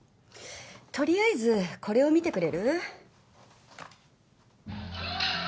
とりあえずこれを見てくれる？